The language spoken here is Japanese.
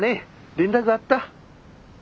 連絡あった。